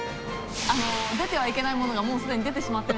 出てはいけないものがもうすでに出てしまった。